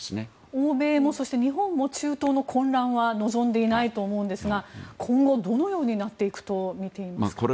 欧米もそして日本も中東の混乱は望んでいないと思うんですが今後どのようになっていくと見ていますか。